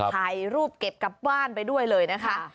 ถ่ายรูปเก็บกลับบ้านไปด้วยเลยนะคะ